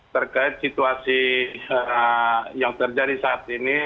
terkait situasi yang terjadi saat ini